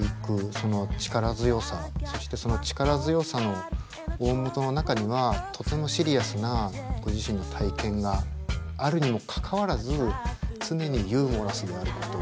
その力強さそしてその力強さの大本の中にはとてもシリアスなご自身の体験があるにもかかわらず常にユーモラスであること。